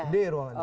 di ruang ini